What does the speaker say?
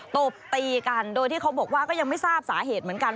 ตบตีกันโดยที่เขาบอกว่าก็ยังไม่ทราบสาเหตุเหมือนกัน